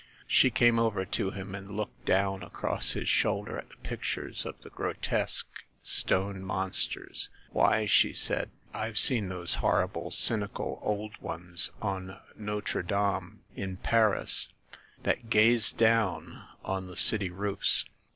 She came over to him and looked down across his shoulder at the pictures of the grotesque stone mon sters. "Why," she said, "I've seen those horrible cynical old ones on Notre Dame in Paris, that gaze down on the city roofs.